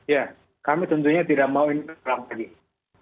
ya kami tentunya tidak mau ini dilakukan